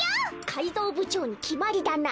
かいぞうぶちょうにきまりだな！